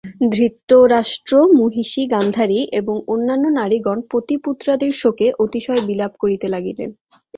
ধৃতরাষ্ট্র-মহিষী গান্ধারী এবং অন্যান্য নারীগণ পতিপুত্রাদির শোকে অতিশয় বিলাপ করিতে লাগিলেন।